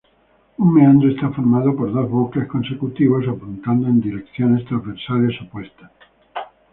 Un meandro está formado por dos bucles consecutivos apuntando en direcciones transversales opuestas.